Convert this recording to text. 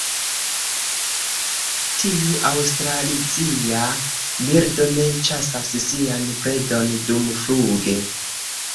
Tiu aŭstralazia birdo ne ĉasas sian predon dumfluge.